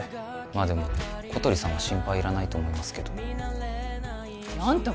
まあでも小鳥さんは心配いらないと思いますけどあんた